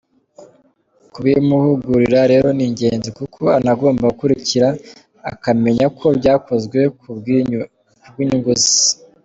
Kubimuhugurira rero ni ingenzi kuko anagomba gukurikira akamenya ko byakozwe ku bw’inyungu ze”.